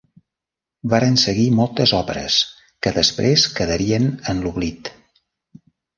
Varen seguir moltes òperes que després quedarien en l'oblit.